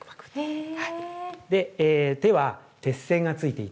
へえ。